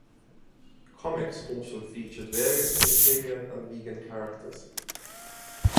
Comics also featured various vegetarian and vegan characters.